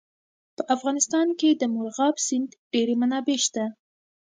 په افغانستان کې د مورغاب سیند ډېرې منابع شته.